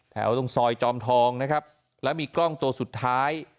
ตรงซอยจอมทองนะครับแล้วมีกล้องตัวสุดท้าย